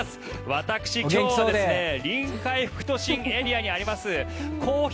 私、今日臨海副都心エリアにあります公表